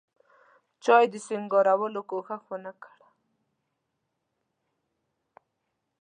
چا یې د سینګارولو کوښښ ونکړ.